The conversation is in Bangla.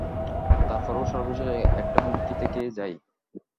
তারপরও, সর্বশেষ একটা হুমকি থেকে যায়।